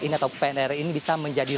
ini atau pnr ini bisa menjadi